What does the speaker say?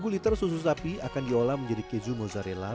satu liter susu sapi akan diolah menjadi keju mozzarella